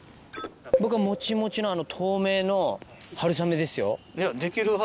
僕はモチモチの透明の春雨ですよ。